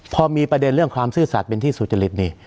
พอมีประเด็นเรื่องความซื่อสัตว์เป็นที่สุจริตนี่